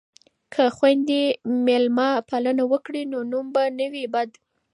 که خویندې میلمه پالنه وکړي نو نوم به نه وي بد.